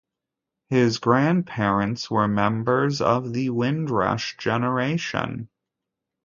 His grandparents were members of the Windrush generation.